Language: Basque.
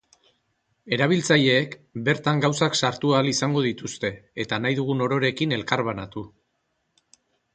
Erabiltzaileek bertan gauzak sartu ahal izango dituzte, eta nahi dugun ororekin elkarbanatu.